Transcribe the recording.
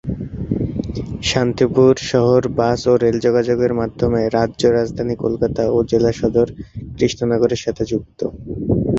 শান্তিপুর শহর বাস ও রেল যোগাযোগের মাধ্যমে রাজ্য রাজধানী কলকাতা ও জেলা সদর কৃষ্ণনগরের সাথে যুক্ত।